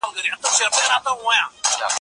ګردسره مي ستا خبره منلې ده.